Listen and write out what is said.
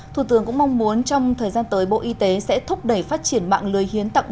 thủ tướng cũng mong muốn trong thời gian tới bộ y tế sẽ thúc đẩy phát triển mạng lưới hiến tặng